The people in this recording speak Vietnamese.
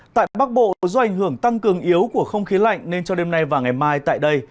tại bắc bộ do ảnh hưởng tăng cường yếu của không khí lạnh nên cho đêm nay và ngày mai tại đây